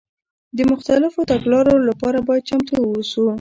د مختلفو تګلارو لپاره باید چمتو واوسو.